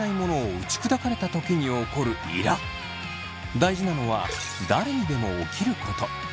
大事なのは誰にでも起きること。